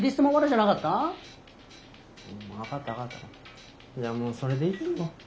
じゃあもうそれでいいよ。